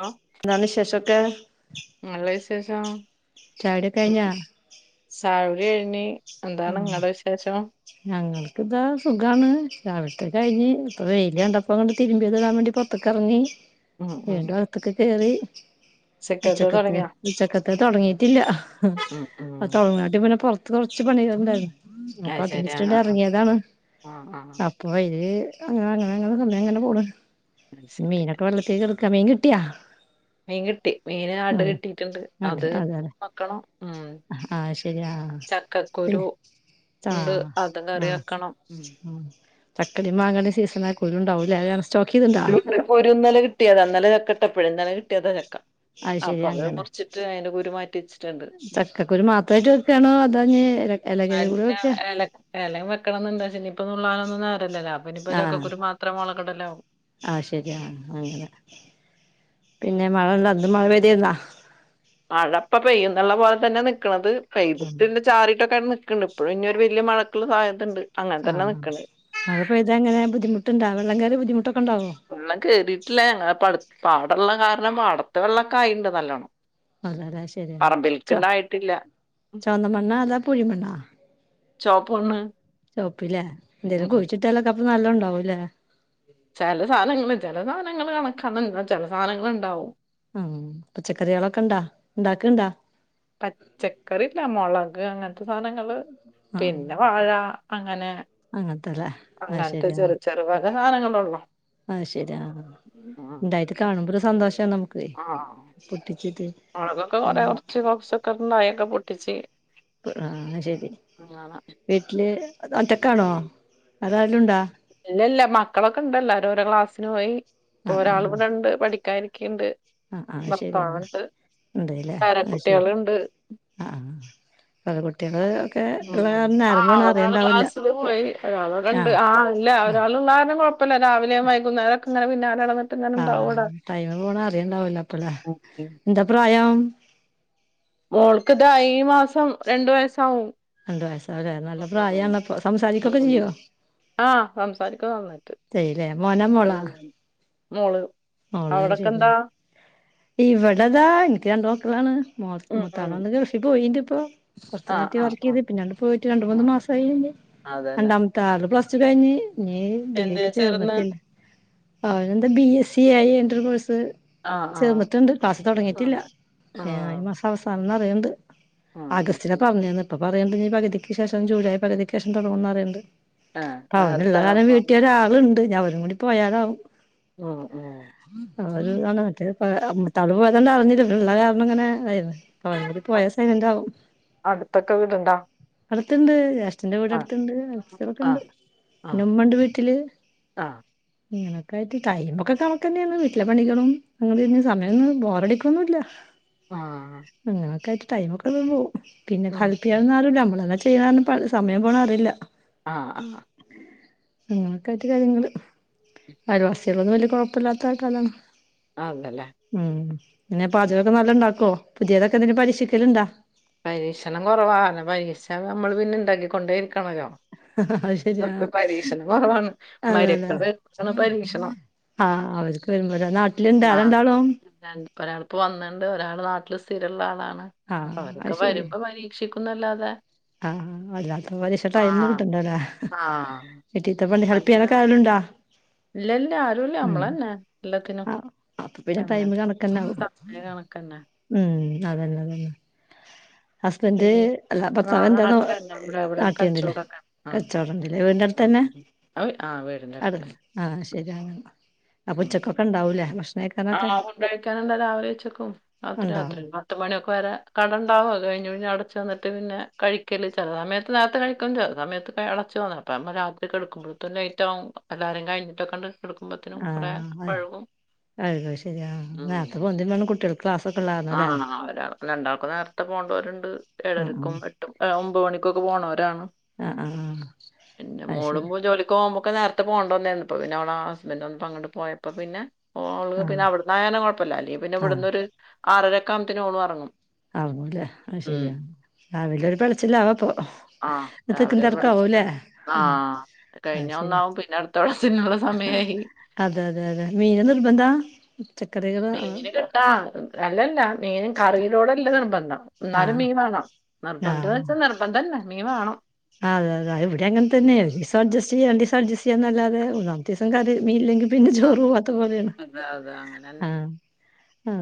Hello എന്താണ് വിശേഷൊക്കെ. നല്ല വിശേഷം ചാടി കഴിഞ്ഞാ. സൗര് ആ ഞങ്ങക്കിത് സുഖാണ് രാവി പത്ത് കഴിഞ്ഞി ഇപ്പം വെയില് കണ്ടപ്പോ തിരുമ്പിത് ഇടാൻ വേണ്ടി പെറത്തക്ക് എറങ്ങി. ഉം ഉം വീണ്ടും അകത്തെക്ക് കേറി. സെക്രട്ടറി ഉച്ചക്കത്തെ തുടങ്ങിയോ ഉച്ചക്കത്തെ തെടങ്ങിട്ടില്ല ഉം ഉം തെടങ്ങാട്ട് പിന്നെ പെറ കുറച്ച് പണി ഒണ്ടായിരുന്നു അപ്പൊ അത് ശരി ആ അതിന്ച്ചിട്ടുണ്ട് ആ ഇറങ്ങിയതാണ് ആ ആ. അപ്പൊ അതില്. അങ്ങനെ അങ്ങനെ അങ്ങനെ തന്നെ അങ്ങനെ പോണു അത് ശരി മീനൊക്കെ വെള്ളത്തിൽ കിടക്കാ മീൻ കിട്ടിയാ മീൻ കിട്ടി മീന് അട് ഉം കെട്ടിട്ടുണ്ട് അതെ അത് അതെ അതെ വെക്കണോ ഉം. ആഹ് ശരി ആഹ് പിന്നെ ചക്കക്കുരു ഉണ്ട് ആഹ് അത് കറി വെയ്ക്കണം ഉം ചക്കളിയും മാങ്ങടെ സീസണ ആ കുരുണ്ടാവൂല്ല ഒരു ഇന്നലെ കിട്ടിയതാ ഇന്നലെ ചക്കയിട്ടെപ്പഴ് ഇന്നലെ കിട്ടിയതാ ചക്ക. അത് അപ്പൊ ശരി അങ്ങനെ മുറിച്ചിട്ട് അതിന്റെ കുരു മാറ്റി വെച്ചിട്ടുണ്ട് ചക്കക്കുരു മാത്രമായിട്ട് വെക്കുവാണോ ആതോ ഇനി അല്ല എല എലയും വെക്കണയെന്നുണ്ട് പക്ഷേ ഇനിയിപ്പൊ നുള്ളാൻ നു ഇന്ന് നേരയില്ലല്ലോ അപ്പൊ ഇപ്പ ഇതൊക്കെ ആഹ് ചക്കകുരു മാത്രം മുളക്കിടല്ലോ ആഹ് ശെരി ആഹ് അങ്ങനെ പിന്നെ മഴന്ത അത് മഴ പെയ്തിനാ. മഴയിപ്പം പെയ്യും എന്നുള്ള പോലെ തന്നെ നിക്കണത് പെയ്ട്ടന്റെ ചാറിട്ടൊക്കെണ്ട് ക്കിണ്ട് ഇപ്പഴും ഇനിയൊരു വലിയ മഴക്കുള്ള സാധ്യതയിണ്ട്. ആഹ് മഴപെയ്താൽ ഇങ്ങനെ ബുദ്ധിമുട്ടുയിണ്ടാ വെള്ളം കേറി ബുദ്ധിമുട്ടോ വെള്ളം കേറിട്ടില്ല ഞങ്ങൾ പാട പാടള്ള കാരണം പാടത്തെ വെള്ളക്കെ ആയിണ്ട് നല്ലോണം. അതെല്ലേ ശരിയെന്ന ചോ പറമ്പിൽക്ക്ണ്ടായിട്ടില്ല ചെമന്നമണ്ണോ അതൊ പൂഴിമണ്ണോ ചൊപ്പ്മണ്ണ് ചൊവപ്പില്ലേ എന്തേലും കുഴിച്ചിട്ടല്ലക്കെപ്പ നല്ല ഉണ്ടാവൂല്ലേ. ചെല സാധനങ്ങള് ചെല സാധനങ്ങള് കണക്കാണ് ചെല സാധനങ്ങള് ഇണ്ടാവും. ഉം പച്ചക്കറികളൊക്കൊണ്ടാ ഒണ്ടാക്കിണ്ടാ പച്ചക്കറി ഇല്ല മെളക് അങ്ങനത്തെ സാധനങ്ങള് ആഹ് പിന്നെ വാഴ അങ്ങനെ അങ്ങനത്തെല്ലേ അങ്ങനത്തെ ചെറു ചെറുവക സാധനങ്ങള് ഉള്ളൂ. ആ ശരി ആ ഉണ്ടായിട്ട് കാണുമ്പോ ഒരു സന്തോഷം നമുക്ക്. ആ പൊട്ടിച്ചിട്ട് മെളകൊക്കെ കൊറെ ഉം. പറിച്ച് കൊറച്ചെക്കെ ഒണ്ടായിക്കെ പൊട്ടിച്ച്. ആ ശരി വീട്ടില് ഒറ്റക്കാണോ അതൊ അരെലുണ്ടാ ഇല്ല ഇല്ല മക്കളൊക്കെ ഇണ്ടല്ലോ ഓരോ രോ ക്ലാസ്സിന് പോയി ആ ഇപ്പൊ ആ ഒരാള് ഇവിടെയിണ്ട് പഠിക്കാൻ. ആ ആ ശരി എന്നാ ഉണ്ട്ല്ലേ ആ ശരി പേരക്കുട്ടികളുണ്ട് ആ ആ പല കുട്ടികള് ഒക്കെ ഉള്ള കാരണം നേരം ആ പോണ അറിയണ്ടാവില്ല ക്ലാസില് പോയി ഒരാള് ഇവിടെ ആ ഉണ്ട് അല്ല ആ ഒരാള് [unintelligible] കുഴപ്പില്ല രാവിലെ വൈുന്നേരങ്ക് ഇങ്ങനെ പിന്നാലെ നടന്ന് ആ ടൈമ് പോണെ അറിയണ്ടാവൂല അപ്പള ഉം, ഉം. എന്താ പ്രായം. മോൾക്ക് ഇതാ ഈ മാസം രണ്ടു വയസാവും. രണ്ട് വയസ് ആകും നല്ല പ്രായയാണ് അപ്പൊ സംസാരിക്കൊക്കെ ചെയ്യുവോ ആഹ് സംസാരിക്കും നന്നായിട്ട് ഈ മോള്. ഓളെ അവിടൊക്കെ എന്താ ശരിയാണ് ഇവിടെതാ എനിക്ക് രണ്ടു മക്കളാണ്. മൊ ഉം, ഉം. മൊത്താങ്ങാണ്ട് കൃഷി പോയിണ്ട് ഇപ്പൊ [unintelligible] ആ ആ വർക്ക് ആ ചെയ്ത് പിന്നെ പോയിട്ട് രണ്ട് മൂന്ന് മാസായിണ്ട് അതെല്ലേ രണ്ടാമത്തെ ആൾ പ്ലസ് കഴിഞ്ഞ് നീ എന്തിനാ ഡിഗ്രിക്ക് ചേർന്ന് ചേർന്നിട്ടില്ല. അവനെന്താ ബി എസ് സി ആയി എന്റർ കോഴ്സ്. ആ ആ ചേർന്നിട്ടുണ്ട് ക്ലാസ് തെടങ്ങിയിട്ടില്ല ആണോ ഏ ഈ ആഹ് മാസം അവസാനന്ന് പറയ്ണ്ട്. ആഹ് അത് അഗസ്റ്റില ശരി പറ ഞ്ഞേന്ന് ഇപ്പ പറയണ്ട് ഈ പകുതിക്ക് ശേഷം ജൂലൈ പകുതിക്ക് ശേഷം തുടങ്ങുന്ന് പറയ്ണ്ട് ആഹ് പ അവനുള്ള അടുത്താണ് കാലം അപ്പൊ വീട്ടിലൊരാളുണ്ട് ഇഞ്ഞ് അവനും കൂടി പോയാലാവും ഉ ഉ [unintelligible] മറ്റേത് തള്ള പോയത്ണ്ട് അറിഞ്ഞില്ല ഇവന്ള്ള കാരണം ഇങ്ങനെ തായിരുന്നു അവനും കൂടി പോയ അടു- സൈലന്റ് ആകും അടുത്തൊക്കെ വീടുണ്ടോ അടുത്ണ്ട്. അച്ഛന്റെ വീടെ ആഹ് അടുത്ത്ണ്ട് [unintelligible] ഉണ്ട് ആഹ് പിന്ന ആഹ് ഉമ്മുണ്ട് വീട്ടില്. ആഹ് ഇങ്ങനൊക്കെ ആയിട്ട് ടൈം ഒക്കെ കണക് തന്നെയാണ് വീട്ടിലെ പണികളും [unintelligible] സമയൊ ബോറടിക്കൊന്നുല്ല. ആഹ ടൈ മൊക്കെ വേഗം പോവും പിന്നെ ഹെൽപ് ചെയ്യാൻ അരൂല നമ്മളെന്നെ ചെയ്യണം സമയം പോണതറിയില്ല. ആഹ ആഹ അങ്ങനൊക്കെ ആയിട്ട് കാര്യങ്ങള് അയൽവാസികളൊന്നും വല്യ കൊഴപ്പില്ലാത്ത ആൾക്കാരാണ്. അതല്ലേ ഉം പിന്നെ ഉം. പാചകൊക്കെ നല്ല ഇണ്ടാക്കോ പുതിയതൊക്കെ എന്തേലും പരീക്ഷിക്കല്ണ്ടാ? പരീക്ഷണം കുറവാ പരീക്ഷിച്ച പിന്നെ നമ്മള് പിന്നെ ഇണ്ടാക്കി കൊണ്ടേ ഇരിക്കണല്ലോ? അത് ശരി ആ [unintelligible] പരീക്ഷണം കുറവാണ് അതെ അതെ മരെക്കളെടുത്താണ് പരീക്ഷണം. ആഹ് അവർക്ക് വരുമ്പോല നാട്ടിലുണ്ട് ആ രണ്ടാളും ഒരാളിപ്പോ വന്നണ്ട് ഒരാള് നാട്ടില്. സ്ഥിരള്ള ആളാണ് ആഹ് അപ്പൊ അത് അവരൊക്കെ ശരി വരുമ്പോ പരീക്ഷിക്കുന്നല്ലാതെ. ആഹ് അല്ലാതെ പരീക്ഷിക്കാൻ ടൈം ആഹ് കിട്ടണ്ടേ? ഹ ആഹ് വീട്ടിലേത്ത പണി ഹെൽപ്ചെയ്യാൻ അങ്ങനെ ഒക്കെ ആളുണ്ടോ? ഇല്ല ഇല്ല ആരുല്ല ഞമ്മളെന്നെ എല്ലാത്തിനും. ആഹ് അപ്പൊ പിന്നെ ടൈം അങ്ങനെ കണക്കന്നാവും സമയ കണക്കന്നെ ഉം. അതന്നെ അതന്നെ ഹസ്‌ബൻഡ് പിന്നെ അല്ല ഭ ആ ർത്താവ് [unintelligible] നാട്ടിലന്നെ ഇവിടെ ഇവിടെ നാട്ടിലിണ്ടില്ലേ കച്ചവടമൊക്കെ ആ കച്ചവടം ഇണ്ടല്ലേ വീടിന്റെ ആ അടുത്ത് തന്നെ. ആ വീ- ആ, വീടിന്റെ അട് അടുത്തന്നെ ആഹ് ശരിയാണ് അപ്പം ഉച്ചക്കൊക്കെ ഉണ്ടാവൂലേ ഭക്ഷ ആഹ ഫുഡ് കഴിക്കാനുള്ള രാവിലെ ഉച്ചക്കും അത് ഉണ്ടാവും രാത്രി പത്തുമണിയൊക്കെ വരെ കടണ്ടാവും അതു കഴിഞ്ഞി അവടെ ചെന്നിട്ട് പിന്നെ കഴിക്കല് ചില സമയത്ത് നേരെത്ത കഴിക്കും ചെലസമയത്ത് അടച്ച് വന്ന [unintelligible] കിടക്കുമ്പോൾ തന്നെ ലേറ്റ് ആകും [unintelligible] അതൊക്ക ശരിയ [unintelligible] ആഹ ഒരാൾ രണ്ടാൾക്കും നേരത്തെ പോണ്ടോരുണ്ട് ഉം ഉം ഏഴരക്കും എട്ടും ഒമ്പത് മണിക്കൊക്കെ പോ ഒരാണ്. ആ ആ ആ പിന്നെ മോളുമ്പോ ജോലിക്ക് പോകുമ്പോ ഒക്കെ നേരത്തെ പോകണ്ടോന്നായിരുന്നുപ്പ പിന്നെ അവളെ ഹസ്ബൻറ് വന്നപോ അങ്ങട്ട് പോയപ്പോ പിന്നെ ഓള് ആഹ് പിന്നെവിടന്ന് ആയോണ്ട് കുഴപ്പല്ല അല്ലേ പിന്നെ ആഹ് ഇവിടുനൊരു ആറരൊക്കെ ആകുമ്പത്തന് ഓളും ഇറങ്ങും. അവുല്ലെ ആ ശരിയാ രാവിലെ ഒരു പിടച്ചില്ലാവപ്പൊ. ആഹ് രാവിലെ ഒരു പിടച്ചില ആ ആഹ് അത് കഴിഞ്ഞ ശരിയാ ഒന്നാവും പിന്നെ അടുത്ത പിടച്ചിലിനുള്ള സമയായി. അതെ അതെ അതെ മീന് നിർബന്ധാ. പച്ചക്കറികള് മീന് കിട്ടാ അല്ലല്ല മീനും കറിയിലോടെല്ല നിർബ എന്നാലും ആഹ് മീന് വേണം നിർബന്ധംന്ന് ആഹ് വെച്ചാൽ നിർബന്ധല്ല മീൻ വാണം. അതെ അതെ ഇവിടെ അങ്ങന തന്നെ ഒരീസം അഡ്ജെസ്റ്റ് ചെയ് രണ്ടീസം അഡ്ജ നല്ലാതെ മുന്നാമത്തിസം കറി മീനിലെങ്കി പിന്നെ ആ ചോറ് പോവാത്ത പോലേണ് അതാ അതാ അങ്ങനെന്നെ ആഹ അ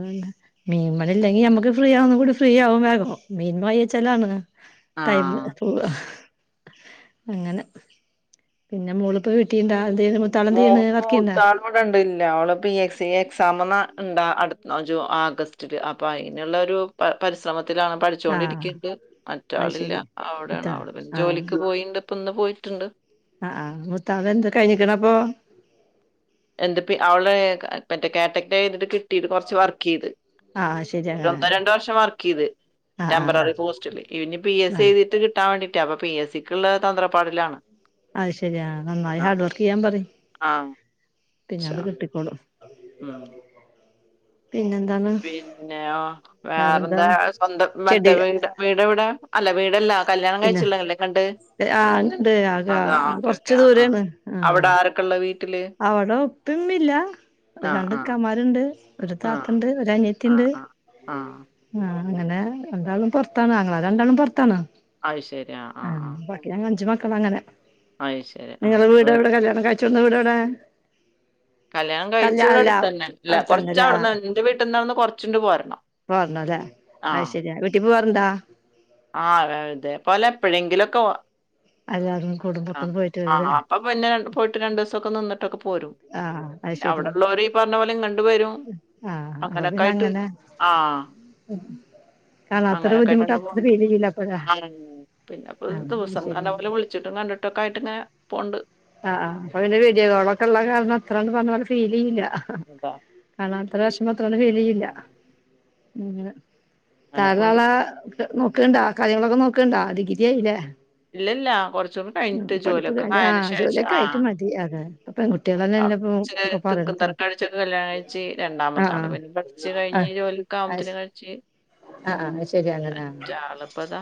മീൻ പണി ഇല്ലെങ്കി നമ്മുക്ക് ഫ്രീ ആവുന്ന കൂടി ഫ്രീ ആവു വേഗം മീൻ വാങ്ങി വെച്ചാൽ ആണ്. ടൈം ആഹ് പോവാ അങ്ങനെ പിന്നെ മോളിപ്പ വീട്ടിണ്ടാ? [unintelligible] മൂത്താളെന്താ ചെയ്ണെ വർക്കെയുണ്ടാ? ല്ല അവള് പി എസ് സി എക്സാമ് ഇണ്ടാ അടുത്ത ജൂ ആഗസ്റ്റില് അപ്പൊ അതിനുള്ള ഒരു പരിശ്രമ ലാണ് ആഹ് പഠിച്ചൊണ്ടിരിക്കിണ്ട് അത് മറ്റാളില്ല ശരി അവിടേണ് ഇത്താ അവള് ആഹ് ജോലിക്ക് പോയിണ്ട്. ഇപ്പന്ന് പോയിട്ടുണ്ട്. ആഹ് ആ മൂത്താള് എന്ത് കഴിഞ്ഞിക്കണ അപ്പൊ? എൻ്റ്പ്പ അവള മറ്റേ കേട്ടെറ്റ് ഴ്തിട്ട് കിട്ടീട്ട് കൊറ്ച്ച് വർക്ക് ചെയ്ത് ആഹ് ശരി അങ്ങനെ ഒരൊന്നോ രണ്ടോ വർഷം വർക്ക് എയ്ത് ആഹ് ആഹ് ടെംമ്പററി പോസ്റ്റില് ഇനി പി എസ് ആഹ് സിയ് തീട്ട് കിട്ടാൻ വേണ്ടിയിട്ടാ അപ്പൊ പി എസ് സക്ക്ള്ള തന്ത്രപ്പാടിലാണ് അത് ശരിയാ നന്നായി ആഹ് ഹാർഡ് വർക്ക് ചെയ്യാൻ പറയ് ആഹ് ഷാ പിന്നത് കിട്ടിക്കോളും ഉം പിന്നെന്താണ് പിന്നെയോ വേറെന്താ സ്വന്തം ചെടി മറ്റേ വീ വീടെവിടെ അല്ല വീടല്ല കല്ല്യാണം പിന്നെ കഴിച്ച്ള്ളല്ലേ കണ്ടെ ആഹ് ഉണ്ട് ആക അതാ ഓക്കേ ഓക്കേ കൊറച്ച് ആ ആ ദൂരാണ് ആഹ് അവിടെ ആരൊക്കെള്ളത് അവിടെ ഉപ്പിമ്മില്ല്യ ആ ആ അത്ണ്ടക്കാമാര്ണ്ട് ഒരു ആ താത്തണ്ട് ഒര് ആ അനിയത്തിണ്ട് ആ ആ അ അങ്ങനെ രണ്ടാളും പൊർത്താണ് അങ്ങളാര് രണ്ടാളും പൊർത്താണ് ആ ബാക്കി അഞ്ച്മക്ക ളങ്ങനെ അത് ശരി ആ നിങ്ങളെ അപ്പൊ വീട് എവിടെ കല്യാണം കഴ്ച്ച് വന്ന വീട് എവിടെ കല്യാണം കഴിച്ച ഇവിടെ അട്‌ത്തന്നെ ഇല്ല അടുത്തന്നെല്ലേ കൊർച്ചവട്‌ന്ന് എന്റെ വീട്ടവട്ന്ന് കൊറച്ചിണ്ട് പോരണം പോരണം അല്ലെ ആ അത് ശരിയാ വീട്ടിപോവാറ്ണ്ടാ ആ അതെ പോലെ എപ്പോഴെങ്കിലൊക്കെ എല്ലാരും ആ കുടുംബൊക്കെ ഒന്ന് പോയിട്ട് ആ വരൂല്ലേ അപ്പൊ പിന്നെ പോയിട്ട് ര രണ്ടു ദി സൊക്കെ നിന്ന്ട്ടൊക്കെ പോരും അവിടെള്ളോര് ഈ പറഞ്ഞ പോലെ വരും ആ അപ്പൊ അങ്ങനൊക്കെ പിന്നെ ആയിട്ട് അങ്ങനെ ആ കാണാതൊരു അങ്ങനൊക്കെ ബുദ്ധിമുട്ട ആയിട്ടണ്ട് അ പോണ്ട് ആ പിന്നെപ്പോ ആഹ് അത് ദിവസം ശരിയാണ് തന്നെപ്പോല് വിളിച്ചിട്ടും കണ്ടിട്ടൊക്കായിട്ട് ഇങ്ങനെ പോണ്ട് ആ ആ അപ്പൊ പിന്നെ വിഡിയോ കോളൊക്കെ ള്ള കാരണം അത്രണ്ട് പറഞ്ഞ പോലെ ഫീൽ ചെയ്ല്ല അതാ അത്ര വെഷ്മം ഉം [unintelligible] താ അങ്ങനെ പോണ്ട് [unintelligible] നോക്കണ്ടാ കാര്യങ്ങളൊക്കെ നോക്ക്ണ്ടാ ഡിഗിരിയായില്ലേ ഇല്ലല്ല കുറച്ച് കൂടി കഴിഞ്ഞിട്ട് പഠിപ്പ് ജോലിയൊക്കെ കഴിഞ്ഞ ആ ആയൻ്റെ ശേഷം ജോലിയൊക്കെ ആയിട്ട് മതി അതെ ഇപ്പ [unintelligible] പെൺകുട്ടികളെന്നെല്ലേ ഇപ്പൊ ഒക്കെ പറയണത് കല്യാണഴ്ച്ച് രണ്ടാമ ആ ആ പിന്നെ പഠിച്ച് ആ കഴിഞ്ഞ് ജോലിക്കാകുമ്പോത്തിന് കഴിച്ച് ആ ആ ശരി അങ്ങനെ അറ്റാളിപ്പതാ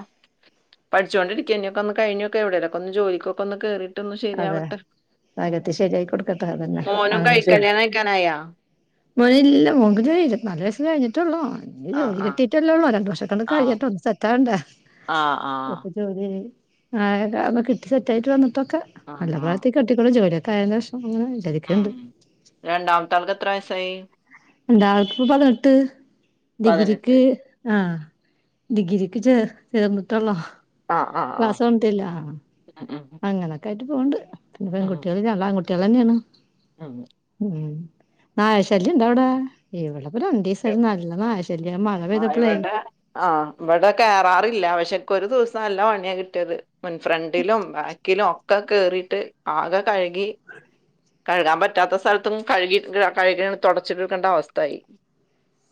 ഒന്ന് കഴിഞ്ഞോക്കെ എവിടെല്ലോക്കെ കൊന്ന് ജോലിക്കൊക്കെന്ന് കേറിട്ട് ഒന്ന് ശരിയാവട്ടെ അകത്തി ശരിയയി കൊടുക്കട്ടെതന്നെ ആ മോനും കഴി ശരി കല്യാണം കഴിക്കാനായാ [unintelligible] ജോലി ഇര്ത്തനാല് വയന് കഴിഞ്ഞിട്ടുള്ളോ ആ ജോലി ആ കട്ടീട്ടല്ലേള്ള രണ്ടുർഷം ക്കെ ആ കഴിയട്ടോണ്ട് സെറ്റാണ്ട ആ ആ എപ്പ ജോലി ആ കിട്ടി സെറ്റായിട്ട് വന്നിട്ടൊക്കെ ആഹ് നല്ല ആഹ് പ്രായത്തേ കെട്ടിക്കണം ജോലിയൊക്കെ ആയൻ്റെ ശേഷം അങ്ങനെ ഉം വിചാരിക്കണ്ട് രണ്ടാമത്തൊൽക്ക് എത്രാ വയസ്സായി ണ്ടാൾക്ക് പതിനെട്ട് ഡിഗ്രിക്ക് പതിനെട്ട് ആ ഡിഗ്രക്ക് ചേർന്നിട്ടുള്ളോ ആഹ് ആഹ് ആഹ് ക്ലാസോട്ട് തൊട്‌ങ്ങിട്ടില്ല ഉം അങ്ങനെയൊക്കെയിട്ട് പോണ്ട് പിന്നെ ഉം പെൺകുട്ടികള്ല്ല ആൺകുട്ടികൾന്നെയാണ് ഉം ഉ നായശല്യം ഇണ്ടാ അവിടെ ഇവിടെപ്പ രണ്ടീസായി നല്ല നായ ശ ആ ഇവിടെ ആഹ് ഇവിടെ കേറാറില്ല പക്ഷെ ക്ക് ഒരു ദിവസം നല്ല പണിയാ കിട്ടിയത് മുൻ ഫ്രണ്ടിലും ബാക്കിലും ഒക്കെ കേറിട്ട് ആകെ കഴ്കി കഴുകാൻ പറ്റാത്ത സ്ഥലത്തും കഴുകി കഴുക തുടച്ചട്ക്കണ്ട അവസ്ഥായി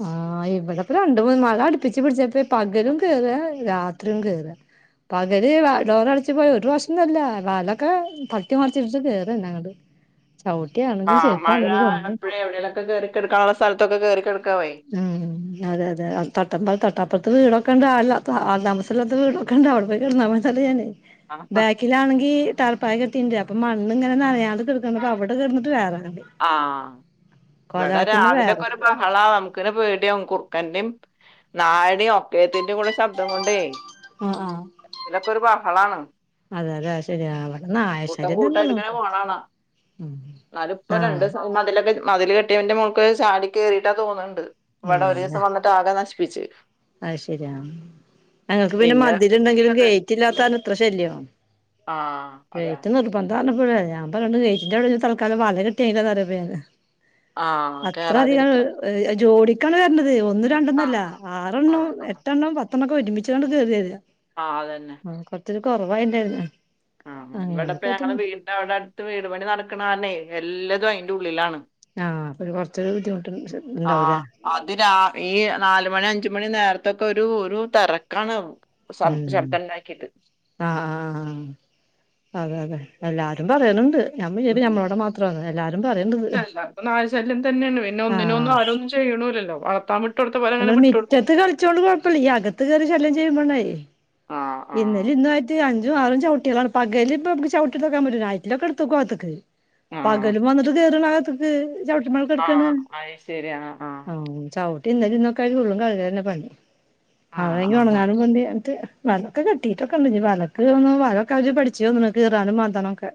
ആ ഇവിടെപ്പ രണ്ട് മൂന്ന് മഴ അടുപ്പിച്ച് പിടിച്ചപ്പ പകലും കേറാ രാത്രി ത്രിയും കേറാ പകല് ഡോർ അടച്ച് പോയി ഒരു പ്രാവശ്യം ഒന്നുഅല്ല വാത് ലൊക്കെ തട്ടി മറച്ച് ഇടിച്ച് കേറന്നെ അങ്ങട്ട് ഉം ആ ഒന്നും മഴള്ളപ്പഴെ എവിടേലൊക്കെ കേറിക്കെട്ക്കാനുള്ള സ്ഥലത്തൊക്കെ കേറിക്കെട്ക്കും ഉം അതെ അതെ തട്ടമ്പൽ തട്ടപ്പ അപ്പറത്തെ വീടൊക്കെണ്ടാ ആൾല്ലാത്ത ആൾ താമസല്ലാത്ത വീടൊക്കെണ്ട് അവ്ടെ പോയി [unintelligible] ഞാന് ബാക്കിലാണെങ്കിൽ [unintelligible] ആ ഇവിടെ വേറെ രാവിലൊക്കെ ഒരു കളി ബഹളം കുറുക്കനെ പേടിയാവും കുറുക്കൻന്റെറെ നായൻ്റെയും ഒക്കേത്തിന്റെറെ കൂടെ ശബ്ദം കൊണ്ട് ആഹ ഹ ഇന്ന് ഒക്കെ ഒരു ബഹളാണ് ശരിയാ അവിടെ നായ കൂട്ടം ശല്യം തന്നെ കൂട്ടായിട്ട് ഇങ്ങനെ നോക്കൂ പോണ് കണം ഉം എന്നാൽ പോ നായ രണ്ടുദിവസം മതിലൊക്കെ മതില് കെട്ടിയ [inaudible] ചാടി കയറിട്ടാ തോന്നുന്നുണ്ട് ഇവിടെ ഒരു ദിവസം വന്നിട്ട് ആകെ നശിപ്പിച്ച് അഹ ശരിയാ ഞങ്ങൾക്ക് പിന്നെ മതില് കിട്ടില്ല തന്നെ. ഗേറ്റ് ഇല്ലാത്തോണ്ട് ഇത്ര ശല്യം ആ അതെ ഗേറ്റ് നിർബന് [unintelligible] ഞാൻ പറയണ് ഗേറ്റിന്റെ അവിടെ തൽക്കാലം വല ആ [inaudible] അത്ര അധികം കേറാതിരിക്കാതെ ജോഡി [unintelligible] ഒന്നും ആ രണ്ടൊന്നല്ല ആ ആറെ ആ എണ്ണം ആ എട്ടെണ്ണം പത്തെണ്ണം ഒക്കെ ഒരുമിച്ചു കൊണ്ടാണ് കേറിവരുന്നത് ആ അതെന്നെ കുറവായിണ്ടായിരുന്ന ആഹ് ഇവിടെ പോ ഞങ്ങളെ വീടിന്റെ അടുത്ത് വീട്പണിനടക്കണ കാരണം എല്ലതും അതിന്റെ ഉള്ളിലാണ് ആ കുറച്ചൊരു ബുദ്ധി [unintelligible] നാലുമണി അഞ്ചുമണി നേരത്തൊക്കെ ഒരു ഒരു തറക്കാണ് ഉം ആ ആഹ് അതെ അതെ എല്ലാരും പറയാനുണ്ട് [unintelligible] നായ ശല്യം തന്നെയാണ് പിന്നെ ഒന്നിനൊന്ന് ആരന്നും ചെയ്യ [inaudible] നമ്മളെ മീറ്റത്ത് കളിച്ചോണ്ട് കൊഴപ്പമില്ല ഈ അകത്ത് കയറി ശല്യം ചെയ്യുമ്പോളെ ആഹ് ആഹ് ഇന്നലൈ ഇന്നയിട്ട് അഞ്ച ആറും ചവിട്ടിളാണ് പകൽ ഇ [inaudible] പറ്റും നൈറ്റിൽ ഒക്കെ എടുത്തക്കും അകത്ത് പകലും വന്നിട്ട് കയറും അകത്ത് ചവിട്ടിമേ കിടക്കുകയാണ് ആഹ് അത് ശരി ആഹ് ആഹ് [unintelligible] ഇന്നും ഇന്നൊക്കെ ഫുള്ളും കഴുകൽ തന്നെ പണി മഴ ആഹ് ആണെങ്കിൽ ആഹ് ആഹ് ഉണങ്ങാനുംപണിയായിട്ട് വർക്ക് കിട്ടിയിട്ടൊക്കെ ഉണ്ട് [unintelligible] പഠിച്ചച്ച് തന്ന കീറാനും മാതാനംൊക്കെ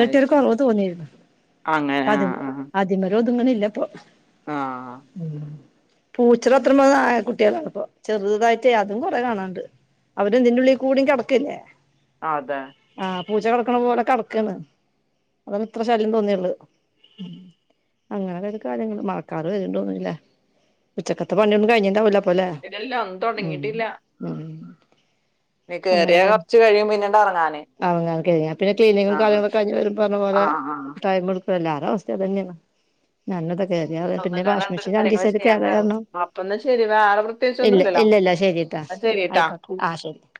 അത് ശരി അങ്ങനെ ആഹ് ആഹ് [inaudible] ഇങ്ങനെയല്ലപോ ആഹ് പൂച്ചെടാ അത്ര പോന്ന നായക്കുട്ടി പേചെറുതായിട്ട് അതും കുറെ കാണാനുണ്ട് അവരെ ഇതിൻറെ ഉള്ളിൽ കൂടി കടക്കില്ലേ അതെ പൂച്ച കിടക്കണ പോലെ കിടക്കണ് അതാണ് ഇത്ര ശല്യം തോന്നിയത് അങ്ങനെെ കാര്യങ്ങള് മഴക്കാർ വരുന്നുണ്ട് തോന്നുന്നല്ല ഉച്ചക്കത്തെ പണിയൊന്നും കഴിഞ്ഞിട്ടുണ്ടാവില്ല പോല ഇതെല്ലാം ഒന്നും ഉ തൊടങ്ങിട്ടില്ല ഉ ഇനി കേയറിയ കുറച്ച് കഴിയും പിന്നീട് ഇറങ്ങാന് പിന്നെ ക്ലിനിക്കും കാര്യങ്ങളൊക്കെ ആഹ് ആഹ് [unintelligible] എല്ലാവരും അവസ്ഥ ഇത് തന്നെയാണ് [inaudible] ഒന്ന് പിന്നെ വാഷി കാലണ്ട് മെഷീൻ രണ്ട് കാര്യങ്ങള് ദിവസമായിട്ട് ചെയ്യാണ്ട് കേടാണ് [unintelligible] അപ്പൊന്നാ ശരി വേറെ ഇല്ല പ്രത്യേകിച്ചൊന്നുംല്ലല്ലോ ഇല്ലല്ല ശരിട്ടാ എന്നാ ശരിട്ടാ ആയിക്കോട്ടെ ആഹ ശരി